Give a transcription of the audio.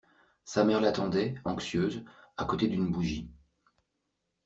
Sa mère l’attendait, anxieuse, à côté d’une bougie.